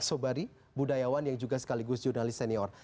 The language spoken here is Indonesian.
sobari budayawan yang juga sekaligus jurnalis senior